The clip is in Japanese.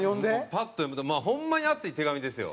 パッと読むとまあホンマに熱い手紙ですよ。